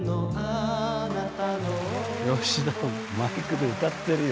吉田もマイクで歌ってるよ。